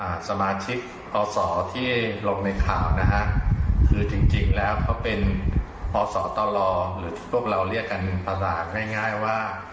สมาชิกพศที่ลงในข่าวนะฮะคือจริงจริงแล้วเขาเป็นพศตรอหรือพวกเราเรียกกันประสาทง่ายง่ายว่า